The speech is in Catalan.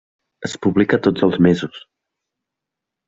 Es publica tots els mesos.